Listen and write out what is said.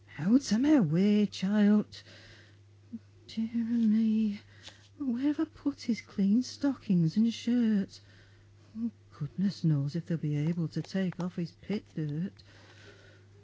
Out o' my way, childt dear o' me, wheer Have I put his clean stockings and shirt; Goodness knows if they'll be able To take off his pit dirt.